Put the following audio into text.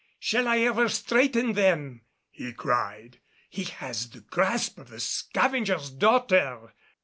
Shall I ever straighten them?" he cried. "He has the grasp of the Scavenger's Daughter.